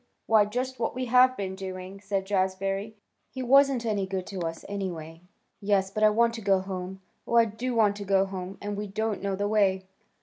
Why just what we have been doing," said Jazbury. "He wasn't any good to us, anyway." "Yes, but I want to go home. Oh, I do want to go home; and we don't know the way."